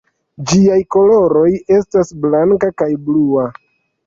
Ĝiaj koloroj estas blanka kaj blua.